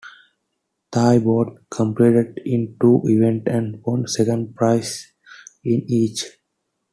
Thibault competed in two events and won second prize in each.